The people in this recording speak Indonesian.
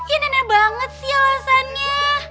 ini nenek banget sih alasannya